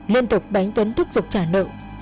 liên tục bánh tuấn thúc giục trả nợ